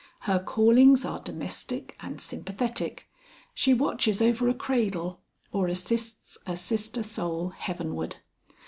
Her callings are domestic and sympathetic, she watches over a cradle or assists a sister soul heavenward.